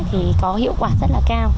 thì có hiệu quả rất là cao